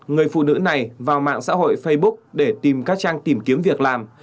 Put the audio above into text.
người phụ nữ này vào mạng xã hội facebook để tìm các trang tìm kiếm việc làm